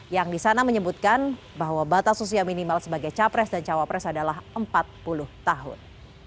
yang di sana menyebutkan bahwa batas usia minimal sebagai capres dan cawapres adalah empat puluh tahun